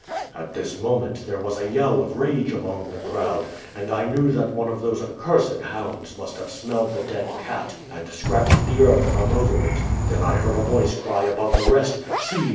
"At this moment there was a yell of rage among the crowd, and I knew that one of those accursed hounds must have smelled the dead cat and scratched the earth from over it. Then I heard a voice cry above the rest, 'See!